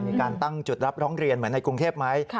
มีการตั้งจุดรับร้องเรียนเหมือนในกรุงเทพไหม